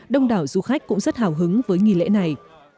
đông đảo du khách cũng rất hào hứng với nghi lễ này